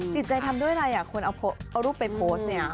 จิตใจทำด้วยอะไรอ่ะคนเอารูปไปโพสต์เนี่ย